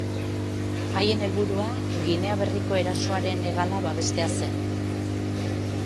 Haien helburua, Ginea Berriko erasoaren hegala babestea zen.